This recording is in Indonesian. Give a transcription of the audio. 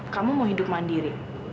kamu mau hidup mandiri